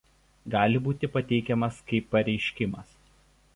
Gali būti pateikiamas kaip pareiškimas.